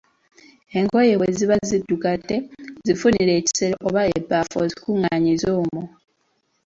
Engoye bwe ziba ziddugadde zifunire ekisero oba ebbaafu ozikunganyize omwo.